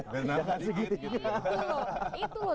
itu loh itu loh